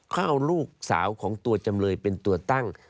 เขาเอาลูกสาวของตัวจำเลยเป็นตัวตั้ง